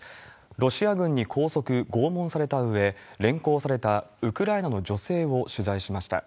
ロシア軍に拘束、拷問されたうえ、連行されたウクライナの女性を取材しました。